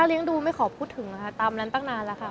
เลี้ยงดูไม่ขอพูดถึงนะคะตามนั้นตั้งนานแล้วค่ะ